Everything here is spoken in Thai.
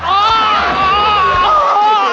โอ๊ะโอ๊ะโอ๊ะ